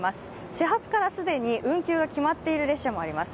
始発から既に運休が決まっている列車もあります。